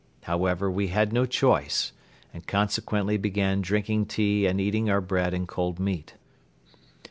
However, we had no choice and consequently began drinking tea and eating our bread and cold meat.